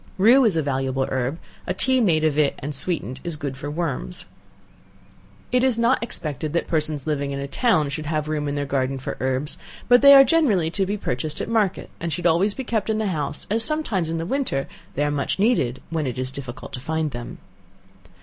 Rue is a valuable herb, a tea made of it and sweetened is good for worms. It is not expected that persons living in a town should have room in their garden for herbs, but they are generally to be purchased at market, and should always be kept in the house, as sometimes in the winter they are much needed when it is difficult to find them.